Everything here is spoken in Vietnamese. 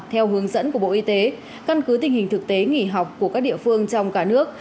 theo hướng dẫn của bộ y tế căn cứ tình hình thực tế nghỉ học của các địa phương trong cả nước